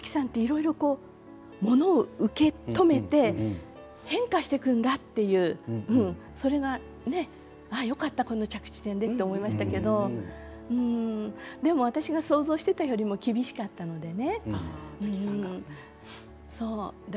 最後の方の台本を拝見した時にタキさんっていろいろものを受け止めて変化していくんだっていうそれがよかったこの着地点でと思いましたけどでも私が想像していたよりも厳しかったのでね。